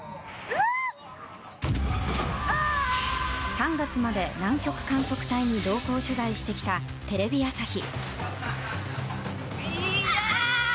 ３月まで、南極観測隊に同行取材してきたテレビ朝日。